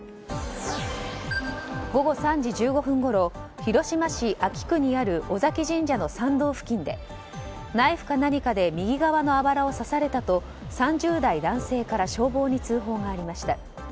午後３時１５分ごろ広島市安芸区にある尾崎神社の参道付近でナイフか何かで右側のあばらを刺されたと３０代男性から消防に通報がありました。